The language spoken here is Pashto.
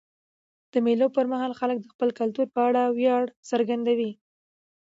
د مېلو پر مهال خلک د خپل کلتور په اړه ویاړ څرګندوي.